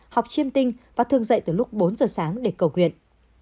học chiêm tinh và thường dậy từ lúc bốn giờ sáng để cầu nguyện